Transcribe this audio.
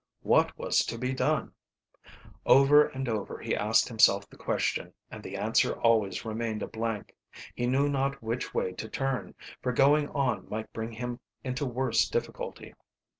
What was to be done? Over and over he asked himself the question, and the answer always remained a blank. He knew not which way to turn, for going on might bring him into worse difficulty.